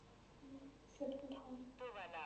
তিনি মিশনের প্রেসিডেন্ট হন।